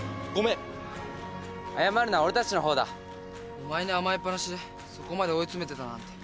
お前に甘えっぱなしでそこまで追い詰めてたなんて。